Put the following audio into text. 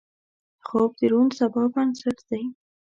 خوب د روڼ سبا بنسټ دی